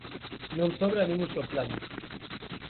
Non sobra nin un só plano.